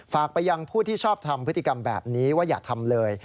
ฝากไปยังผู้ที่ชอบทำพฤติกรรมแบบนี้ว่าอย่าทำเลย